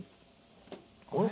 あれ？